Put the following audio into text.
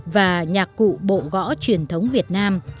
và nhạc cụ bộ gõ truyền thống việt nam